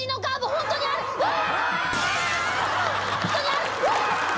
ホントにあるうわ！